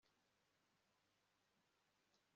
iyo ni yo migabane, eleyazari umuherezabitambo